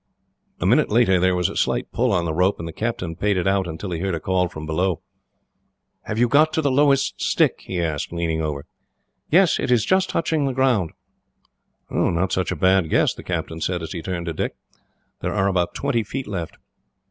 A minute later there was a slight pull on the rope, and the captain paid it out until he heard a call from below. "Have you got to the lowest stick?" he asked, leaning over. "Yes; it is just touching the ground." "Not such a bad guess," the captain said, as he turned to Dick. "There are about twenty feet left."